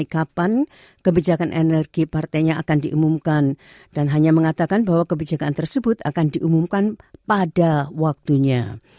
kapan kebijakan energi partainya akan diumumkan dan hanya mengatakan bahwa kebijakan tersebut akan diumumkan pada waktunya